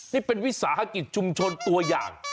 นี่เป็นวิสาหกิจชุมชนตัวอย่าง